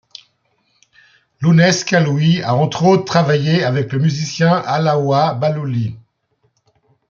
Lounès Khaloui a entre autres travaillé avec le musicien Allaoua Bahlouli.